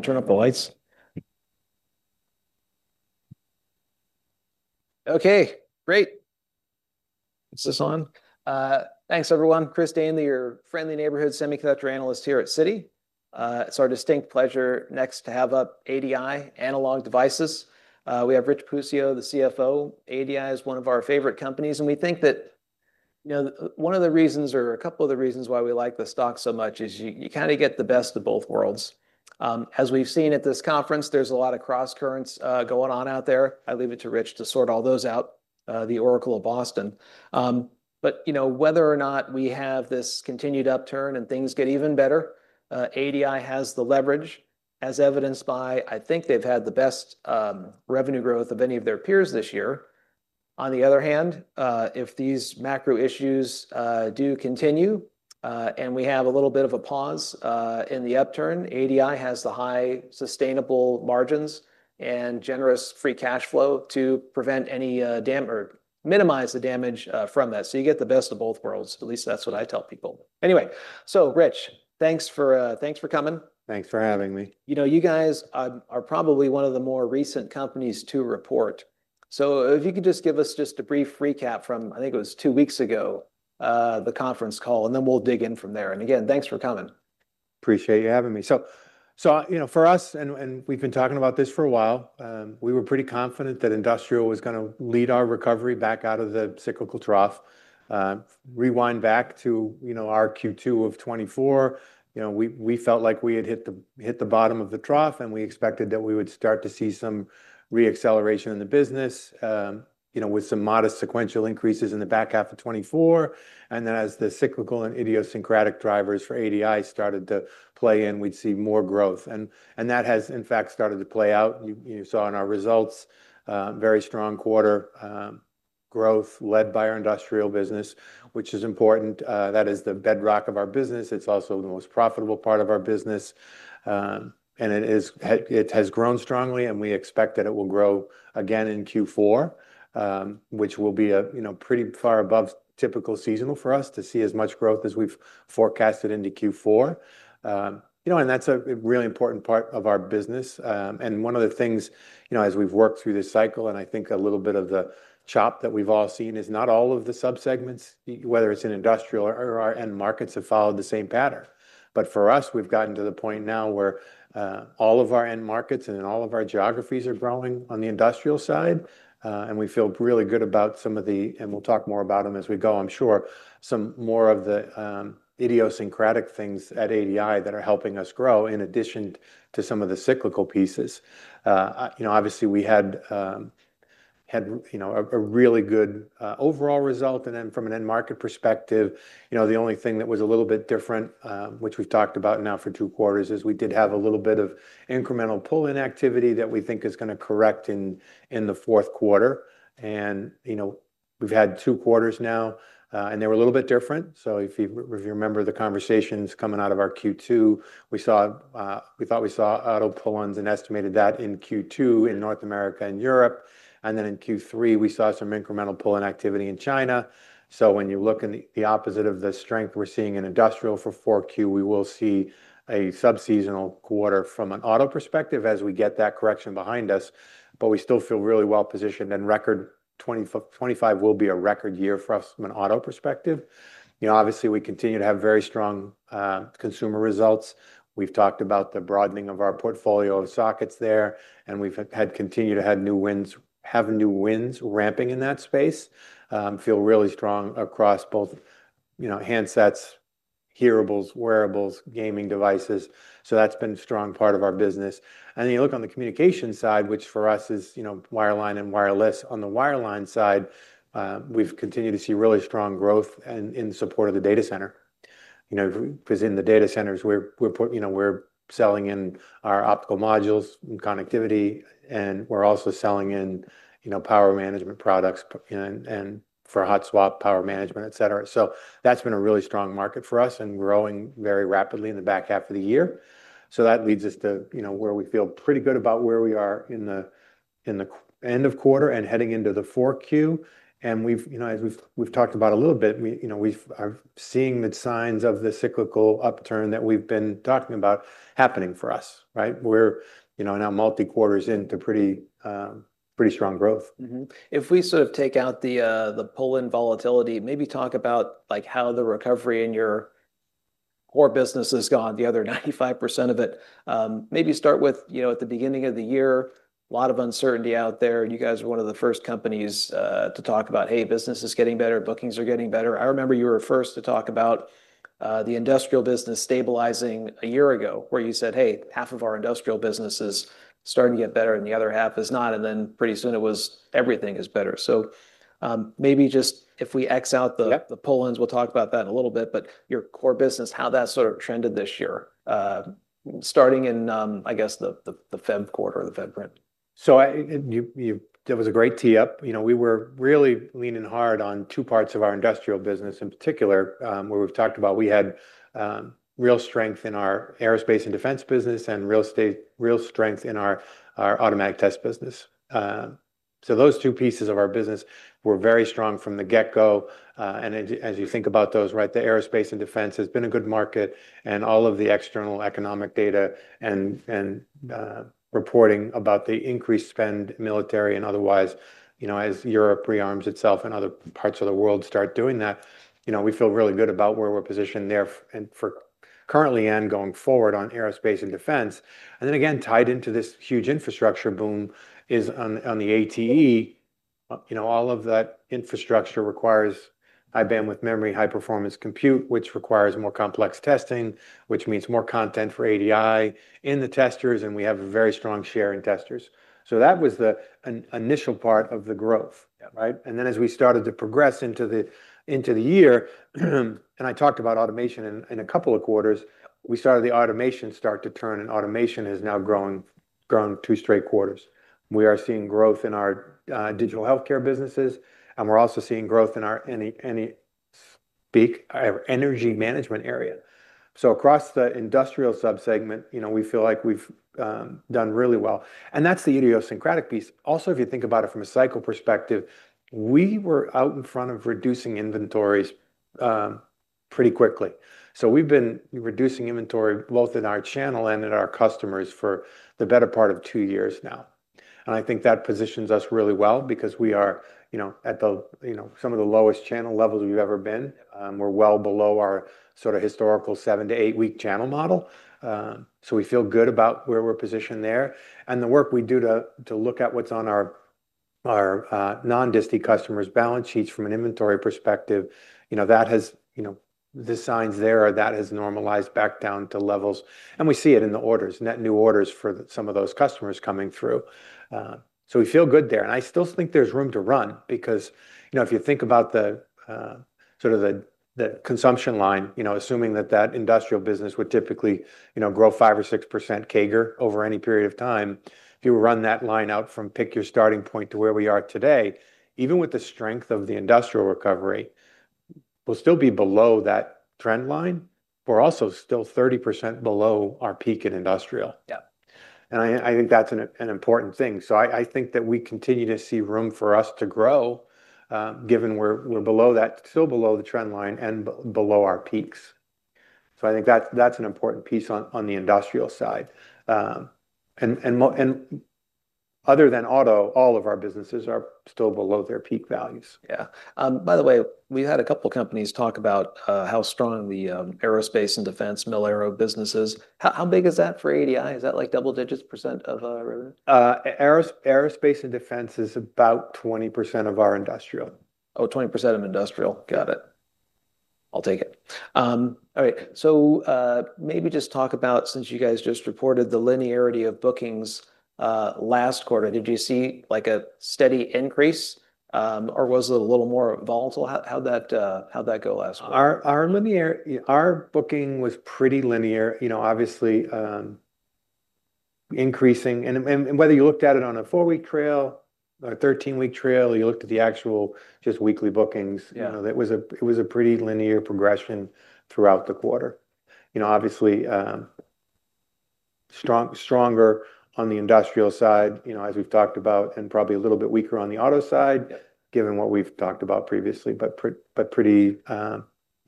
... I'm gonna turn up the lights. Okay, great! Is this on? Thanks, everyone. Chris Danely, your friendly neighborhood semiconductor analyst here at Citi. It's our distinct pleasure next to have up ADI, Analog Devices. We have Rich Puccio, the CFO. ADI is one of our favorite companies, and we think that, you know, one of the reasons or a couple of the reasons why we like the stock so much is you, you kinda get the best of both worlds. As we've seen at this conference, there's a lot of cross currents going on out there. I leave it to Rich to sort all those out, the Oracle of Boston. But, you know, whether or not we have this continued upturn and things get even better, ADI has the leverage, as evidenced by, I think they've had the best revenue growth of any of their peers this year. On the other hand, if these macro issues do continue, and we have a little bit of a pause in the upturn, ADI has the high sustainable margins and generous free cash flow to prevent any or minimize the damage from that. So you get the best of both worlds, at least that's what I tell people. Anyway, so Rich, thanks for coming. Thanks for having me. You know, you guys, are probably one of the more recent companies to report. So if you could just give us a brief recap from, I think it was two weeks ago, the conference call, and then we'll dig in from there, and again, thanks for coming. Appreciate you having me. So, you know, for us, and we've been talking about this for a while, we were pretty confident that industrial was gonna lead our recovery back out of the cyclical trough. Rewind back to, you know, our Q2 of 2024, you know, we felt like we had hit the bottom of the trough, and we expected that we would start to see some re-acceleration in the business, you know, with some modest sequential increases in the back half of 2024. And then as the cyclical and idiosyncratic drivers for ADI started to play in, we'd see more growth. And that has, in fact, started to play out. You saw in our results, very strong quarter, growth led by our industrial business, which is important. That is the bedrock of our business. It's also the most profitable part of our business, and it has grown strongly, and we expect that it will grow again in Q4, which will be, you know, pretty far above typical seasonal for us to see as much growth as we've forecasted into Q4. You know, and that's a really important part of our business. And one of the things, you know, as we've worked through this cycle, and I think a little bit of the chop that we've all seen, is not all of the subsegments, whether it's in industrial or our end markets, have followed the same pattern, but for us, we've gotten to the point now where all of our end markets and all of our geographies are growing on the industrial side, and we feel really good about some of the... We'll talk more about them as we go, I'm sure, some more of the idiosyncratic things at ADI that are helping us grow, in addition to some of the cyclical pieces. You know, obviously, we had you know a really good overall result. From an end market perspective, you know, the only thing that was a little bit different, which we've talked about now for two quarters, is we did have a little bit of incremental pull-in activity that we think is gonna correct in the Q4. You know, we've had two quarters now, and they were a little bit different. So if you remember the conversations coming out of our Q2, we thought we saw auto pull-ins and estimated that in Q2 in North America and Europe, and then in Q3, we saw some incremental pull-in activity in China. So when you look at the opposite of the strength we're seeing in industrial for 4Q, we will see a sub-seasonal quarter from an auto perspective as we get that correction behind us, but we still feel really well-positioned. And 2025 will be a record year for us from an auto perspective. You know, obviously, we continue to have very strong consumer results. We've talked about the broadening of our portfolio of sockets there, and we've continued to have new wins ramping in that space. Feel really strong across both, you know, handsets, hearables, wearables, gaming devices, so that's been a strong part of our business. And then you look on the communication side, which for us is, you know, wireline and wireless. On the wireline side, we've continued to see really strong growth in support of the data center. You know, because in the data centers, you know, we're selling in our optical modules and connectivity, and we're also selling in, you know, power management products and for hot swap power management, et cetera. So that's been a really strong market for us and growing very rapidly in the back half of the year. So that leads us to, you know, where we feel pretty good about where we are in the end of quarter and heading into the 4Q. We've, you know, as we've talked about a little bit, you know, we are seeing the signs of the cyclical upturn that we've been talking about happening for us, right? We're, you know, now multi quarters into pretty, pretty strong growth. Mm-hmm. If we sort of take out the pull-in volatility, maybe talk about like how the recovery in your core business has gone, the other 95% of it. Maybe start with, you know, at the beginning of the year, a lot of uncertainty out there. You guys were one of the first companies to talk about, "Hey, business is getting better, bookings are getting better." I remember you were first to talk about the industrial business stabilizing a year ago, where you said, "Hey, half of our industrial business is starting to get better and the other half is not." And then pretty soon it was, everything is better. So, maybe just if we X out the-... the pull-ins, we'll talk about that in a little bit, but your core business, how that sort of trended this year, starting in, I guess the Q1 or the first print. That was a great tee up. You know, we were really leaning hard on two parts of our industrial business, in particular, where we've talked about we had real strength in our aerospace and defense business and real strength in our automatic test business. So those two pieces of our business were very strong from the get-go. And as you think about those, right, the aerospace and defense has been a good market, and all of the external economic data and reporting about the increased spend, military and otherwise, you know, as Europe rearms itself and other parts of the world start doing that, you know, we feel really good about where we're positioned there for currently and going forward on aerospace and defense. Then again, tied into this huge infrastructure boom is on, on the ATE, you know, all of that infrastructure requires high bandwidth memory, high-performance compute, which requires more complex testing, which means more content for ADI in the testers, and we have a very strong share in testers. So that was the initial part of the growth. Right? And then as we started to progress into the year, and I talked about automation in a couple of quarters, we started, the automation started to turn, and automation has now grown two straight quarters. We are seeing growth in our digital healthcare businesses, and we're also seeing growth in our any peak energy management area. So across the industrial sub-segment, you know, we feel like we've done really well, and that's the idiosyncratic piece. Also, if you think about it from a cycle perspective, we were out in front of reducing inventories pretty quickly. So we've been reducing inventory both in our channel and in our customers for the better part of two years now. And I think that positions us really well because we are, you know, at the, you know, some of the lowest channel levels we've ever been. We're well below our sort of historical seven-to-eight-week channel model, so we feel good about where we're positioned there. And the work we do to look at what's on our non-disti customers' balance sheets from an inventory perspective, you know, that has, you know, the signs there are that has normalized back down to levels, and we see it in the orders, net new orders for some of those customers coming through. So we feel good there, and I still think there's room to run because, you know, if you think about the sort of consumption line, you know, assuming that industrial business would typically, you know, grow 5% or 6% CAGR over any period of time, if you run that line out from pick your starting point to where we are today, even with the strength of the industrial recovery, we'll still be below that trend line. We're also still 30% below our peak in industrial. And I think that's an important thing. So I think that we continue to see room for us to grow, given we're below that, still below the trend line and below our peaks. So I think that's an important piece on the industrial side. And other than auto, all of our businesses are still below their peak values. Yeah. By the way, we had a couple companies talk about how strong the aerospace and defense mil aero business is. How big is that for ADI? Is that like double digits % of revenue? Aerospace and defense is about 20% of our industrial. Oh, 20% of industrial. Got it. I'll take it. All right, so maybe just talk about, since you guys just reported the linearity of bookings last quarter, did you see, like, a steady increase, or was it a little more volatile? How'd that go last quarter? Our booking was pretty linear, you know, obviously, increasing. And whether you looked at it on a four-week trailing or a 13-week trailing, or you looked at the actual just weekly bookings-... you know, that was a, it was a pretty linear progression throughout the quarter. You know, obviously, stronger on the industrial side, you know, as we've talked about, and probably a little bit weaker on the auto side-... given what we've talked about previously, but pretty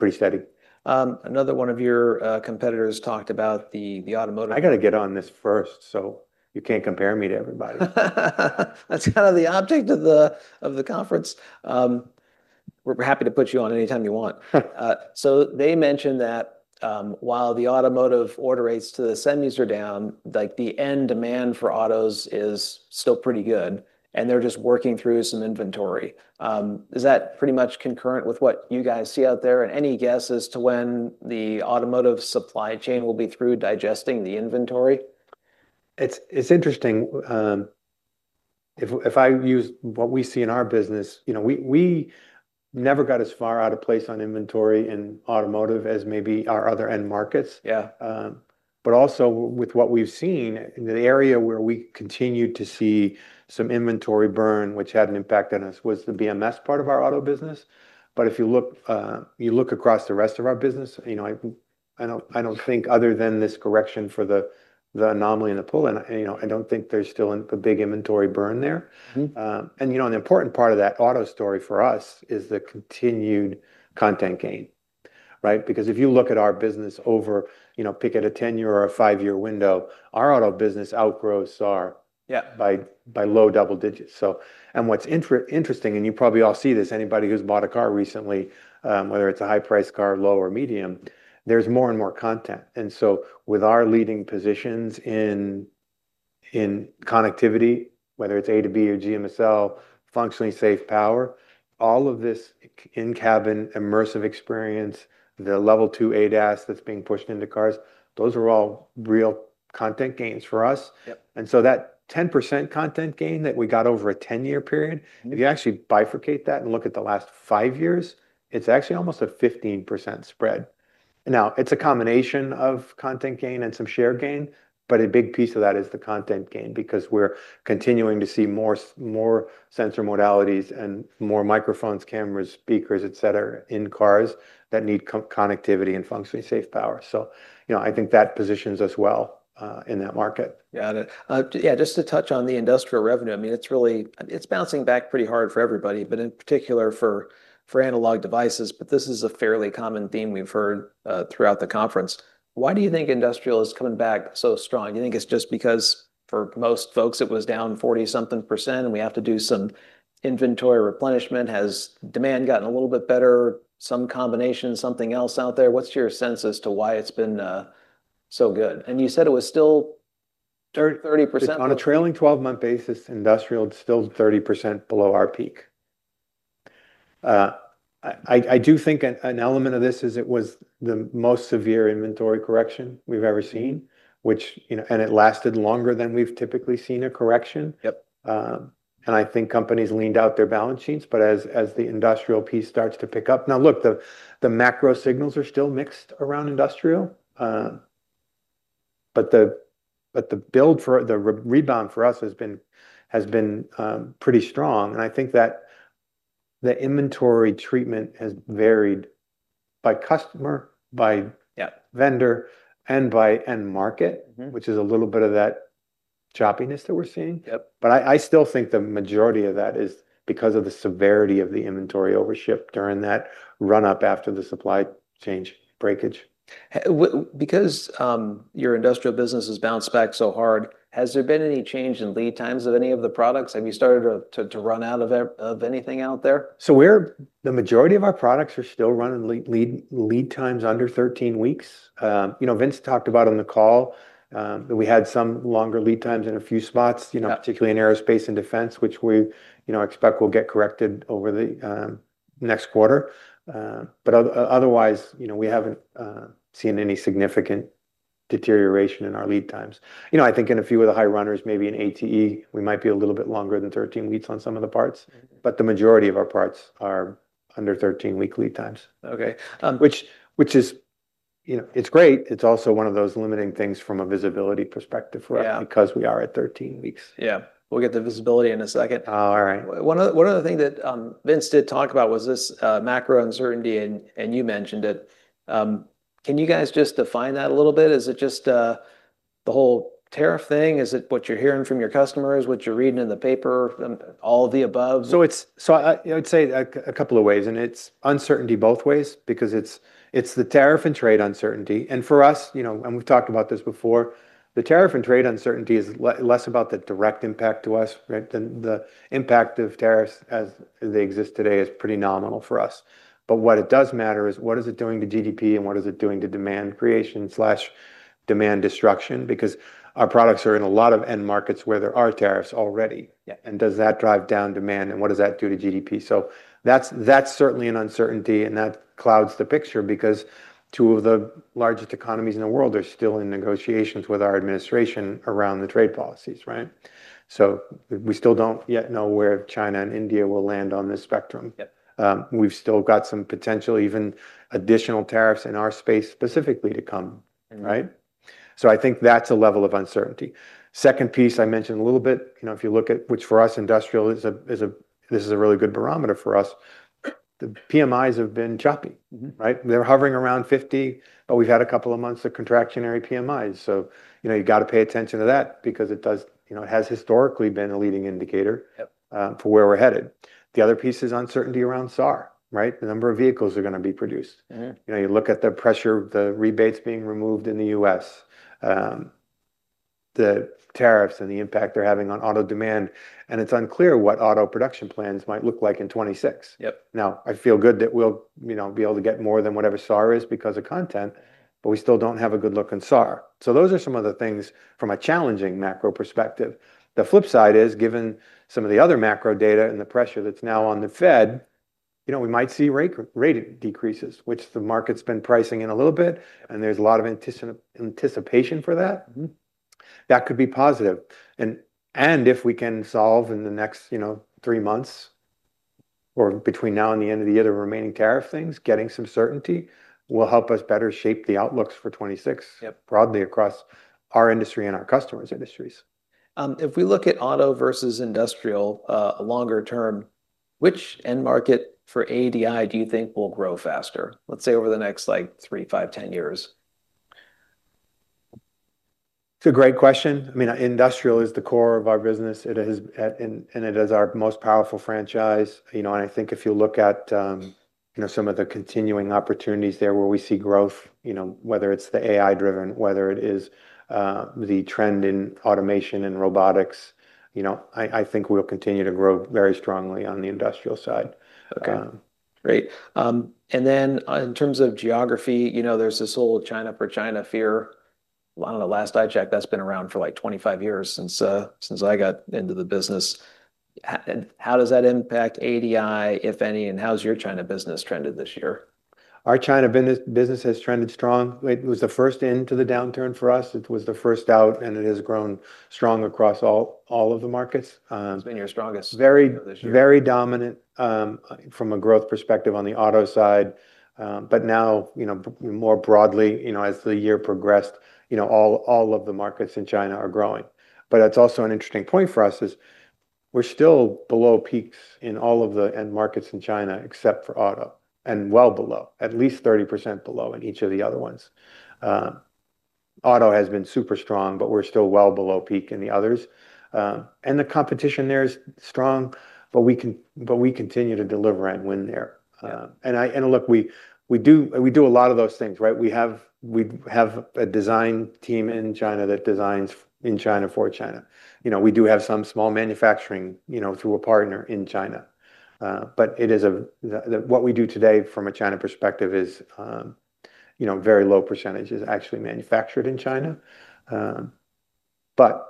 steady. Another one of your competitors talked about the automotive- I got to get on this first, so you can't compare me to everybody. That's kind of the object of the conference. We're happy to put you on anytime you want. So they mentioned that while the automotive order rates to the semis are down, like, the end demand for autos is still pretty good, and they're just working through some inventory. Is that pretty much concurrent with what you guys see out there, and any guess as to when the automotive supply chain will be through digesting the inventory? It's interesting, if I use what we see in our business, you know, we never got as far out of place on inventory in automotive as maybe our other end markets. Yeah. But also with what we've seen in the area where we continued to see some inventory burn, which had an impact on us, was the BMS part of our auto business. But if you look across the rest of our business, you know, I don't think other than this correction for the anomaly in the pull, and you know, I don't think there's still a big inventory burn there. And, you know, an important part of that auto story for us is the continued content gain, right? Because if you look at our business over, you know, pick any a ten-year or a five-year window, our auto business outgrows our- Yeah... by low double digits. So, and what's interesting, and you probably all see this, anybody who's bought a car recently, whether it's a high-price car, low, or medium, there's more and more content. And so with our leading positions in, in connectivity, whether it's A to B or GMSL, functionally safe power, all of this in-cabin immersive experience, the level 2 ADAS that's being pushed into cars, those are all real content gains for us. Yep. And so that 10% content gain that we got over a ten-year period- Mm-hmm... if you actually bifurcate that and look at the last five years, it's actually almost a 15% spread. Now, it's a combination of content gain and some share gain, but a big piece of that is the content gain because we're continuing to see more sensor modalities and more microphones, cameras, speakers, et cetera, in cars that need connectivity and functionally safe power. So, you know, I think that positions us well in that market. Got it. Yeah, just to touch on the industrial revenue, I mean, it's really, it's bouncing back pretty hard for everybody, but in particular for Analog Devices, but this is a fairly common theme we've heard throughout the conference. Why do you think industrial is coming back so strong? Do you think it's just because for most folks, it was down 40-something%, and we have to do some inventory replenishment. Has demand gotten a little bit better, some combination, something else out there? What's your sense as to why it's been so good? And you said it was still 30%- On a trailing twelve-month basis, industrial is still 30% below our peak. I do think an element of this is it was the most severe inventory correction we've ever seen, which, you know, and it lasted longer than we've typically seen a correction. Yep. And I think companies leaned out their balance sheets, but as the industrial piece starts to pick up. Now, look, the macro signals are still mixed around industrial. But the build for the rebound for us has been pretty strong, and I think that the inventory treatment has varied by customer, by- Yeah... vendor, and by end market- Mm-hmm... which is a little bit of that choppiness that we're seeing. Yep. But I still think the majority of that is because of the severity of the inventory overship during that run-up after the supply chain breakage. Because your industrial business has bounced back so hard, has there been any change in lead times of any of the products? Have you started to run out of anything out there? The majority of our products are still running lead times under thirteen weeks. You know, Vince talked about on the call that we had some longer lead times in a few spots, you know. Yeah... particularly in aerospace and defense, which we, you know, expect will get corrected over the next quarter. but otherwise, you know, we haven't seen any significant deterioration in our lead times. You know, I think in a few of the high runners, maybe in ATE, we might be a little bit longer than 13 weeks on some of the parts- Mm-hmm... but the majority of our parts are under thirteen-week lead times. Okay, um- which is, you know, it's great. It's also one of those limiting things from a visibility perspective for us- Yeah... because we are at thirteen weeks. Yeah. We'll get to visibility in a second. All right. One other thing that Vince did talk about was this macro uncertainty, and you mentioned it. Can you guys just define that a little bit? Is it just the whole tariff thing? Is it what you're hearing from your customers, what you're reading in the paper, all of the above? So I would say a couple of ways, and it's uncertainty both ways because it's the tariff and trade uncertainty. And for us, you know, and we've talked about this before, the tariff and trade uncertainty is less about the direct impact to us, right? The impact of tariffs as they exist today is pretty nominal for us. But what it does matter is, what is it doing to GDP, and what is it doing to demand creation slash demand destruction? Because our products are in a lot of end markets where there are tariffs already. Yeah. And does that drive down demand, and what does that do to GDP? That's certainly an uncertainty, and that clouds the picture because two of the largest economies in the world are still in negotiations with our administration around the trade policies, right? So we still don't yet know where China and India will land on this spectrum. Yep. We've still got some potential, even additional tariffs in our space specifically to come. Mm-hmm. Right? So I think that's a level of uncertainty. Second piece, I mentioned a little bit, you know, if you look at, which for us, industrial is a really good barometer for us. The PMIs have been choppy. Mm-hmm. Right? They're hovering around 50, but we've had a couple of months of contractionary PMIs. So, you know, you've got to pay attention to that because it does... You know, it has historically been a leading indicator- Yep... for where we're headed. The other piece is uncertainty around SAAR, right? The number of vehicles are going to be produced. Mm-hmm. You know, you look at the pressure, the rebates being removed in the US, the tariffs and the impact they're having on auto demand, and it's unclear what auto production plans might look like in 2026. Yep. Now, I feel good that we'll, you know, be able to get more than whatever SAAR is because of content, but we still don't have a good look in SAAR. So those are some of the things from a challenging macro perspective. The flip side is, given some of the other macro data and the pressure that's now on the Fed, you know, we might see rate decreases, which the market's been pricing in a little bit, and there's a lot of anticipation for that. Mm-hmm. That could be positive. And if we can solve in the next, you know, three months, or between now and the end of the year, the remaining tariff things, getting some certainty will help us better shape the outlooks for twenty-six- Yep... broadly across our industry and our customers' industries. If we look at auto versus industrial, longer term, which end market for ADI do you think will grow faster, let's say over the next, like, three, five, ten years? It's a great question. I mean, industrial is the core of our business. It has and it is our most powerful franchise, you know, and I think if you look at, you know, some of the continuing opportunities there where we see growth, you know, whether it's the AI-driven, whether it is the trend in automation and robotics, you know, I think we'll continue to grow very strongly on the industrial side. Okay. Um- Great. And then in terms of geography, you know, there's this whole China for China fear. Well, the last I checked, that's been around for, like, twenty-five years since I got into the business. How does that impact ADI, if any, and how has your China business trended this year? Our China business has trended strong. It was the first into the downturn for us. It was the first out, and it has grown strong across all of the markets. It's been your strongest very, very dominant from a growth perspective on the auto side. But now, you know, more broadly, you know, as the year progressed, you know, all of the markets in China are growing. But that's also an interesting point for us is we're still below peaks in all of the end markets in China, except for auto, and well below, at least 30% below in each of the other ones. Auto has been super strong, but we're still well below peak in the others. And the competition there is strong, but we continue to deliver and win there. Yeah. Look, we do a lot of those things, right? We have a design team in China that designs in China for China. You know, we do have some small manufacturing, you know, through a partner in China. But what we do today from a China perspective is, you know, very low percentage is actually manufactured in China. But,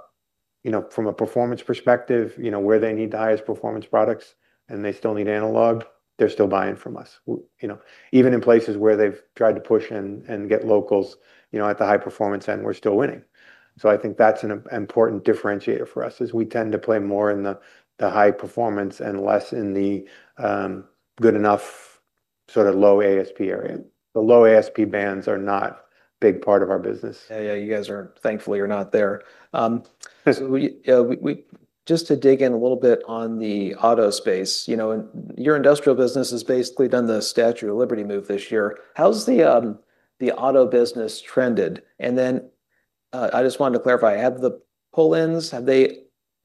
you know, from a performance perspective, you know, where they need the highest performance products and they still need analog, they're still buying from us. You know, even in places where they've tried to push and get locals, you know, at the high performance end, we're still winning. So I think that's an important differentiator for us, is we tend to play more in the high performance and less in the good enough, sort of low ASP area. The low ASP bands are not a big part of our business. Yeah, yeah, you guys are, thankfully, you're not there. So just to dig in a little bit on the auto space, you know, and your industrial business has basically done the Statue of Liberty move this year. How's the auto business trended? And then I just wanted to clarify, have the pull-ins, have they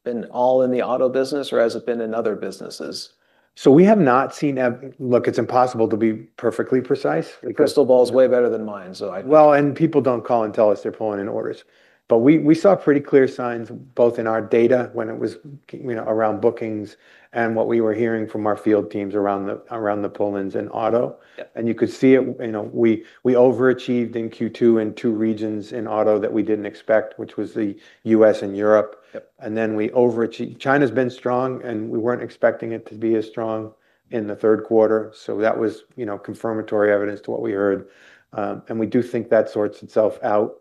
been all in the auto business or has it been in other businesses? So we have not seen. Look, it's impossible to be perfectly precise- Your crystal ball's way better than mine, so I- People don't call and tell us they're pulling in orders. But we saw pretty clear signs, both in our data when it was, you know, around bookings and what we were hearing from our field teams around the pull-ins in auto. Yeah. You could see it, you know. We overachieved in Q2 in two regions in auto that we didn't expect, which was the U.S. and Europe. Yep. China's been strong, and we weren't expecting it to be as strong in the Q3. So that was, you know, confirmatory evidence to what we heard. And we do think that sorts itself out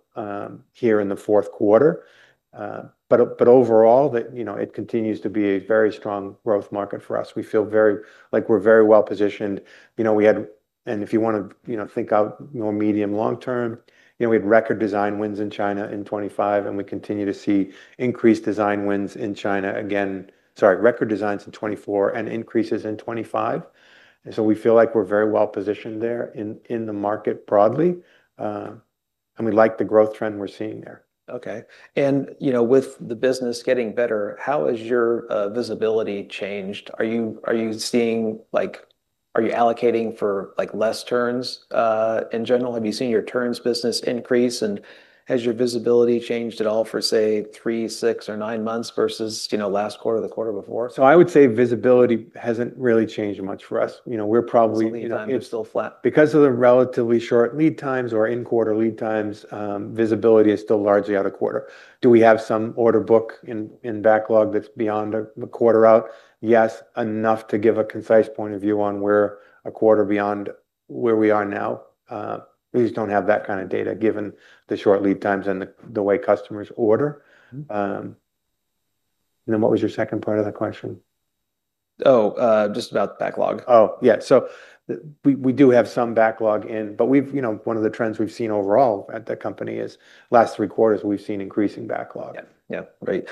here in the Q4. But overall, you know, it continues to be a very strong growth market for us. We feel very like we're very well positioned. You know, we had. And if you want to, you know, think out more medium long term, you know, we had record design wins in China in 2025, and we continue to see increased design wins in China again, sorry, record designs in 2024 and increases in 2025. And so we feel like we're very well positioned there in the market broadly. And we like the growth trend we're seeing there. Okay. And, you know, with the business getting better, how has your visibility changed? Are you seeing, like... Are you allocating for, like, less turns in general? Have you seen your turns business increase, and has your visibility changed at all for, say, three, six, or nine months versus, you know, last quarter, the quarter before? So I would say visibility hasn't really changed much for us. You know, we're probably- So lead time is still flat? Because of the relatively short lead times or in quarter lead times, visibility is still largely out of quarter. Do we have some order book in backlog that's beyond the quarter out? Yes, enough to give a concise point of view on where a quarter beyond where we are now. We just don't have that kind of data, given the short lead times and the way customers order. Mm-hmm. And then what was your second part of that question? Oh, just about backlog. Oh, yeah. So we do have some backlog, but we've, you know, one of the trends we've seen overall at the company is, last three quarters, we've seen increasing backlog. Yeah. Yeah. Great.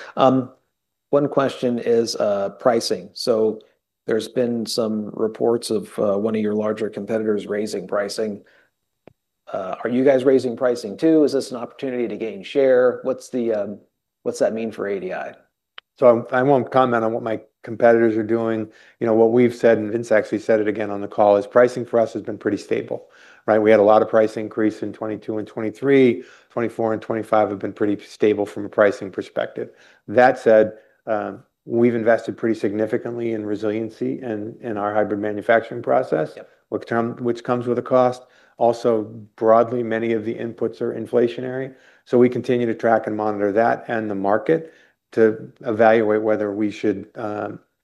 One question is pricing. So there's been some reports of one of your larger competitors raising pricing. Are you guys raising pricing, too? Is this an opportunity to gain share? What's that mean for ADI? I won't comment on what my competitors are doing. You know, what we've said, and Vince actually said it again on the call, is pricing for us has been pretty stable, right? We had a lot of price increase in 2022 and 2023. 2024 and 2025 have been pretty stable from a pricing perspective. That said, we've invested pretty significantly in resiliency in our hybrid manufacturing process- Yep... which come, which comes with a cost. Also, broadly, many of the inputs are inflationary, so we continue to track and monitor that and the market to evaluate whether we should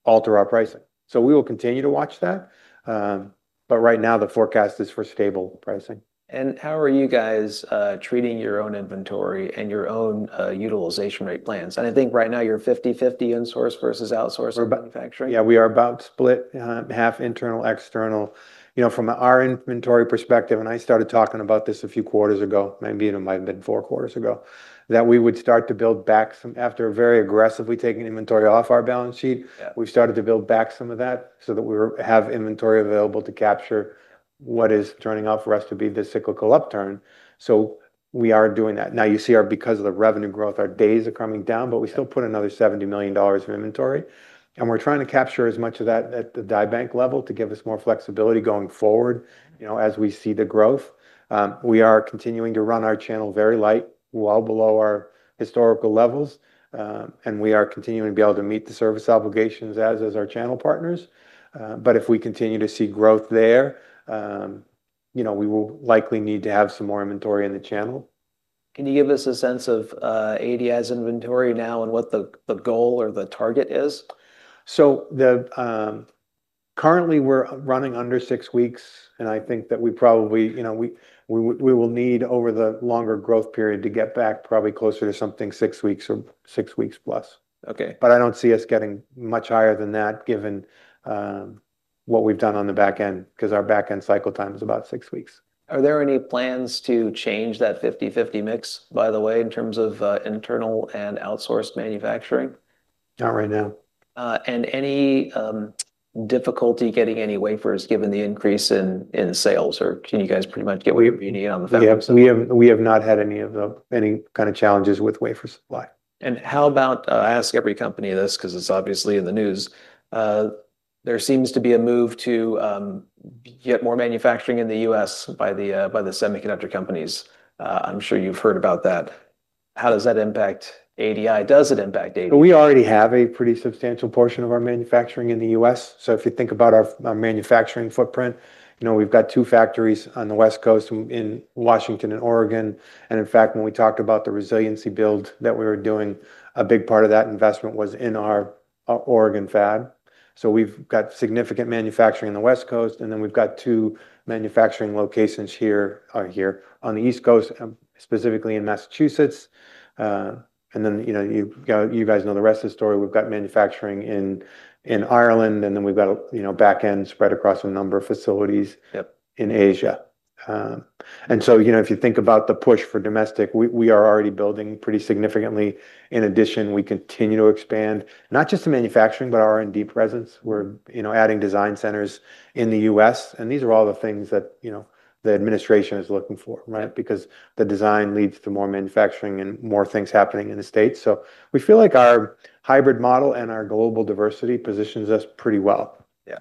alter our pricing. So we will continue to watch that, but right now the forecast is for stable pricing. And how are you guys treating your own inventory and your own utilization rate plans? And I think right now you're fifty-fifty in-source versus outsourced- We're about- -manufacturing. Yeah, we are about split half internal, external. You know, from our inventory perspective, and I started talking about this a few quarters ago, maybe it might have been four quarters ago, that we would start to build back some after very aggressively taking inventory off our balance sheet- Yeah... we've started to build back some of that so that we have inventory available to capture what is turning out for us to be the cyclical upturn. So we are doing that. Now, you see our days are coming down because of the revenue growth, but we still put another $70 million of inventory, and we're trying to capture as much of that at the die bank level to give us more flexibility going forward, you know, as we see the growth. We are continuing to run our channel very light, well below our historical levels, and we are continuing to be able to meet the service obligations as is our channel partners. But if we continue to see growth there, you know, we will likely need to have some more inventory in the channel. Can you give us a sense of ADI's inventory now and what the goal or the target is? So, currently we're running under six weeks, and I think that we probably, you know, we will need over the longer growth period to get back probably closer to something six weeks or six weeks plus. Okay. But I don't see us getting much higher than that, given what we've done on the back end, 'cause our back end cycle time is about six weeks. Are there any plans to change that fifty-fifty mix, by the way, in terms of internal and outsourced manufacturing?... Not right now. Any difficulty getting any wafers, given the increase in sales, or can you guys pretty much get what you need on the factory side? We have not had any kind of challenges with wafer supply. And how about, I ask every company this, 'cause it's obviously in the news. There seems to be a move to get more manufacturing in the U.S. by the semiconductor companies. I'm sure you've heard about that. How does that impact ADI? Does it impact ADI? We already have a pretty substantial portion of our manufacturing in the U.S., so if you think about our manufacturing footprint, you know, we've got two factories on the West Coast, in Washington and Oregon. And in fact, when we talked about the resiliency build that we were doing, a big part of that investment was in our Oregon fab. So we've got significant manufacturing in the West Coast, and then we've got two manufacturing locations here on the East Coast, specifically in Massachusetts. And then, you know, you guys know the rest of the story. We've got manufacturing in Ireland, and then we've got, you know, back end spread across a number of facilities. Yep... in Asia. And so, you know, if you think about the push for domestic, we are already building pretty significantly. In addition, we continue to expand, not just the manufacturing, but R&D presence. We're, you know, adding design centers in the U.S., and these are all the things that, you know, the administration is looking for, right? Mm. Because the design leads to more manufacturing and more things happening in the States. So we feel like our hybrid model and our global diversity positions us pretty well. Yeah.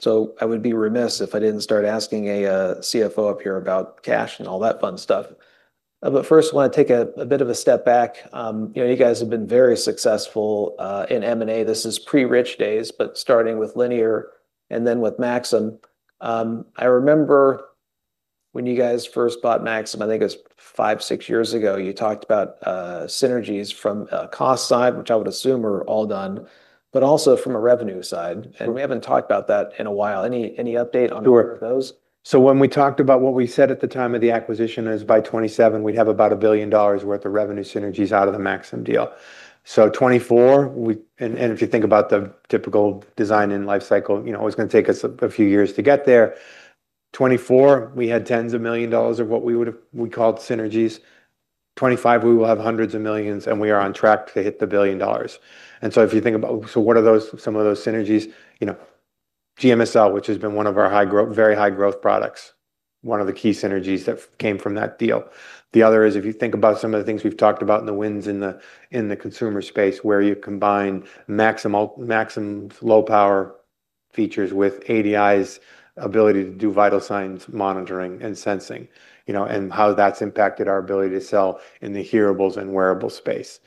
So I would be remiss if I didn't start asking a CFO up here about cash and all that fun stuff. But first, I wanna take a bit of a step back. You know, you guys have been very successful in M&A. This is pre-Rich days, but starting with Linear and then with Maxim. I remember when you guys first bought Maxim. I think it was five, six years ago. You talked about synergies from a cost side, which I would assume are all done, but also from a revenue side. Sure. We haven't talked about that in a while. Any update on- Sure... those? So when we talked about what we said at the time of the acquisition is by 2027, we'd have about $1 billion worth of revenue synergies out of the Maxim deal. So 2024, we, and if you think about the typical design and life cycle, you know, it was gonna take us a few years to get there. 2024, we had tens of millions of dollars of what we would have called synergies. 2025, we will have hundreds of millions, and we are on track to hit the $1 billion. And so if you think about, so what are those, some of those synergies? You know, GMSL, which has been one of our high growth, very high growth products, one of the key synergies that came from that deal. The other is, if you think about some of the things we've talked about in the wins in the consumer space, where you combine Maxim's low-power features with ADI's ability to do vital signs monitoring and sensing. You know, and how that's impacted our ability to sell in the hearables and wearable space.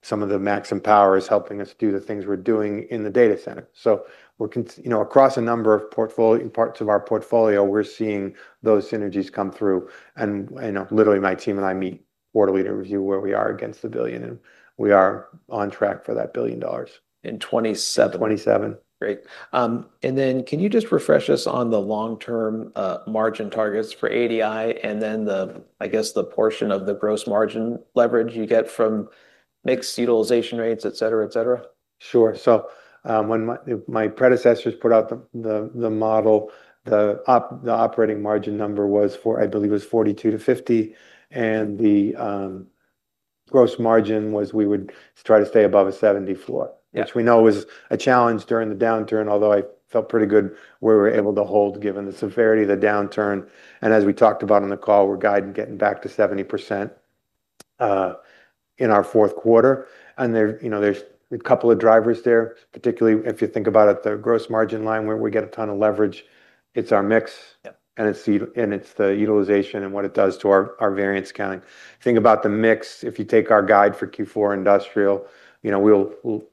Some of the Maxim power is helping us do the things we're doing in the data center. So we're, you know, across a number of parts of our portfolio, we're seeing those synergies come through. And, you know, literally, my team and I meet quarterly to review where we are against the $1 billion, and we are on track for that $1 billion. In twenty-seven? Twenty-seven. Great. And then can you just refresh us on the long-term margin targets for ADI, and then the, I guess, the portion of the gross margin leverage you get from mixed utilization rates, et cetera, et cetera? Sure. So, when my predecessors put out the model, the operating margin number was, I believe, 42%-50%, and the gross margin was, we would try to stay above a 70% floor. Yeah. Which we know was a challenge during the downturn, although I felt pretty good, we were able to hold, given the severity of the downturn. And as we talked about on the call, we're guiding, getting back to 70%, in our Q4. And there, you know, there's a couple of drivers there, particularly if you think about it, the gross margin line, where we get a ton of leverage, it's our mix- Yeah... and it's the utilization and what it does to our variance accounting. Think about the mix. If you take our guide for Q4 industrial, you know, we'll,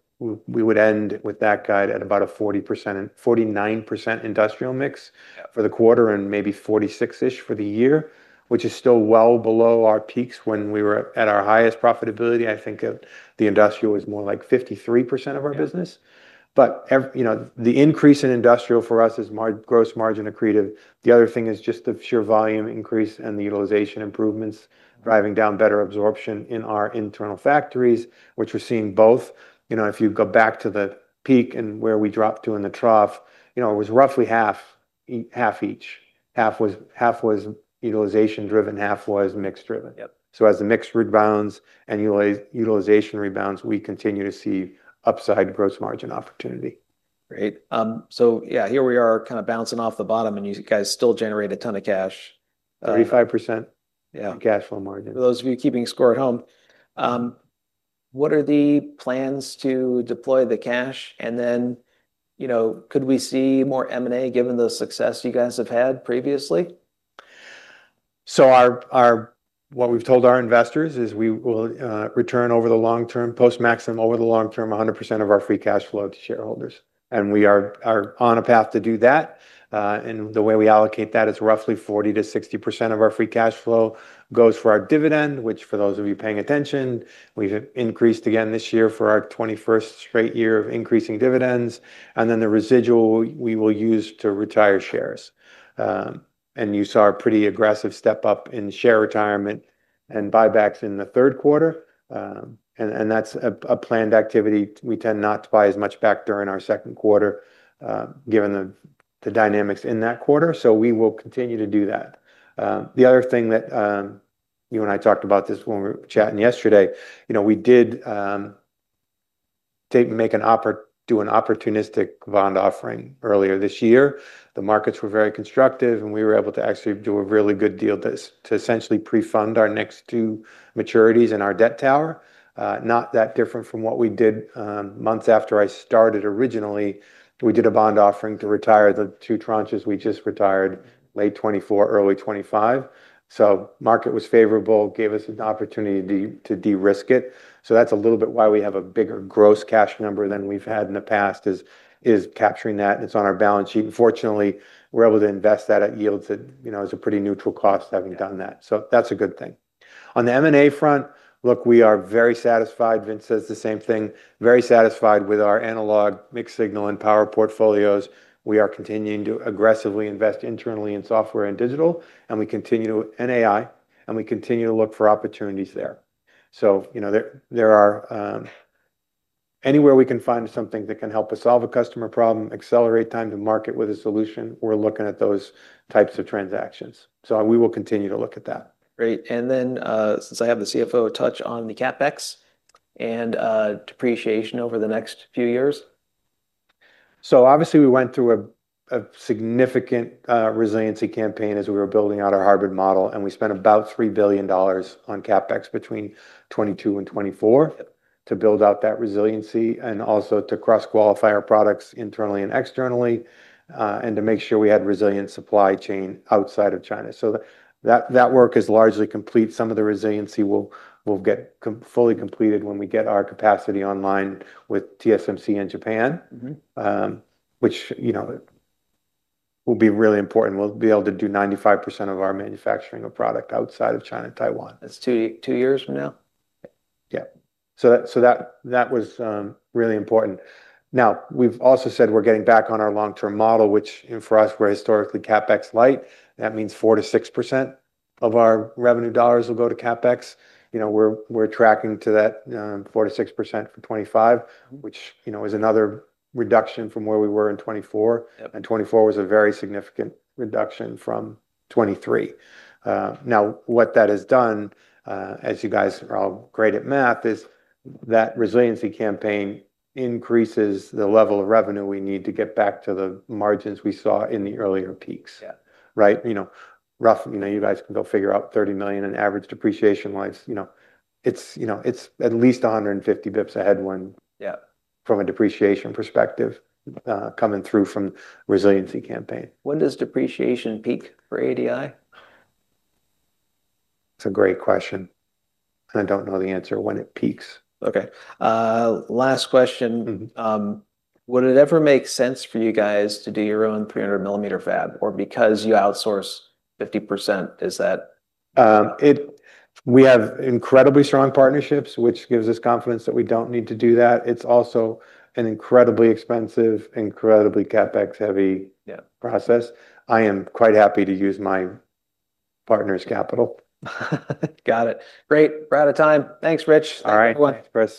we would end with that guide at about a 40%-49% industrial mix- Yeah... for the quarter and maybe 46-ish for the year, which is still well below our peaks. When we were at our highest profitability, I think the industrial was more like 53% of our business. Yeah. But every, you know, the increase in industrial for us is more gross margin accretive. The other thing is just the sheer volume increase and the utilization improvements, driving better absorption in our internal factories, which we're seeing both. You know, if you go back to the peak and where we dropped to in the trough, you know, it was roughly half each. Half was utilization driven, half was mix driven. Yep. So as the mix rebounds and utilization rebounds, we continue to see upside gross margin opportunity. Great. So yeah, here we are, kind of bouncing off the bottom, and you guys still generate a ton of cash. Thirty-five percent- Yeah... cash flow margin. For those of you keeping score at home. What are the plans to deploy the cash? And then, you know, could we see more M&A, given the success you guys have had previously? So what we've told our investors is we will return over the long term, post-tax over the long term, 100% of our free cash flow to shareholders, and we are on a path to do that. And the way we allocate that is roughly 40%-60% of our free cash flow goes for our dividend, which for those of you paying attention, we've increased again this year for our twenty-first straight year of increasing dividends. And then the residual we will use to retire shares. And you saw a pretty aggressive step-up in share retirement and buybacks in the Q3. And that's a planned activity. We tend not to buy as much back during our Q2, given the dynamics in that quarter, so we will continue to do that. The other thing that you and I talked about this when we were chatting yesterday, you know, we did do an opportunistic bond offering earlier this year. The markets were very constructive, and we were able to actually do a really good deal to essentially pre-fund our next two maturities in our debt tower. Not that different from what we did months after I started originally. We did a bond offering to retire the two tranches we just retired, late 2024, early 2025. So market was favorable, gave us an opportunity to de-risk it. So that's a little bit why we have a bigger gross cash number than we've had in the past, is capturing that, and it's on our balance sheet. And fortunately, we're able to invest that at yields that, you know, is a pretty neutral cost, having done that. So that's a good thing. On the M&A front, look, we are very satisfied. Vince says the same thing. Very satisfied with our analog, mixed signal, and power portfolios. We are continuing to aggressively invest internally in software and digital and AI, and we continue to look for opportunities there. So, you know, there are anywhere we can find something that can help us solve a customer problem, accelerate time to market with a solution, we're looking at those types of transactions. So we will continue to look at that. Great. And then, since I have the CFO, touch on the CapEx and depreciation over the next few years. So obviously, we went through a significant resiliency campaign as we were building out our hybrid model, and we spent about $3 billion on CapEx between 2022 and 2024- Yep... to build out that resiliency and also to cross-qualify our products internally and externally, and to make sure we had resilient supply chain outside of China. So that work is largely complete. Some of the resiliency will get fully completed when we get our capacity online with TSMC and Japan. Mm-hmm. which, you know, will be really important. We'll be able to do 95% of our manufacturing of product outside of China and Taiwan. That's two years from now? Yeah. So that was really important. Now, we've also said we're getting back on our long-term model, which, and for us, we're historically CapEx light. That means 4%-6% of our revenue dollars will go to CapEx. You know, we're tracking to that 4%-6% for 2025, which you know is another reduction from where we were in 2024. Yep. And 2024 was a very significant reduction from 2023. Now, what that has done, as you guys are all great at math, is that resiliency campaign increases the level of revenue we need to get back to the margins we saw in the earlier peaks. Yeah. Right? You know, roughly, you know, you guys can go figure out $30 million in average depreciation lives. You know, it's, you know, it's at least 150 basis points ahead when- Yeah ... from a depreciation perspective, coming through from resiliency campaign. When does depreciation peak for ADI? It's a great question, and I don't know the answer when it peaks. Okay, last question. Mm-hmm. Would it ever make sense for you guys to do your own 300mm fab, or because you outsource 50%, is that- We have incredibly strong partnerships, which gives us confidence that we don't need to do that. It's also an incredibly expensive, incredibly CapEx-heavy- Yeah... process. I am quite happy to use my partner's capital. Got it. Great, we're out of time. Thanks, Rich. All right. Thank you, everyone. Thanks, Preston.